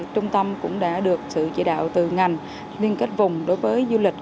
trung tâm cũng đã được sự chỉ đạo từ ngành liên kết vùng đối với du lịch